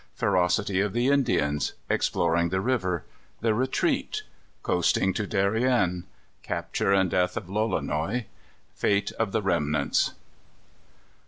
Ferocity of the Indians. Exploring the River. The Retreat. Coasting to Darien. Capture and Death of Lolonois. Fate of the Remnants.